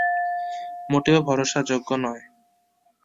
মোটেও ভরসা যোগ্য নয়।